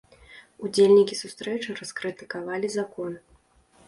Удзельнікі сустрэчы раскрытыкавалі закон.